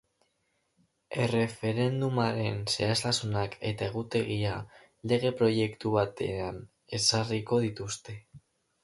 Erreferendumaren zehaztasunak eta egutegia lege proiektu batean ezarriko dituzte.